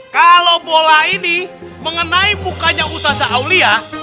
kalau bola ini mengenai mukanya ustazah aulia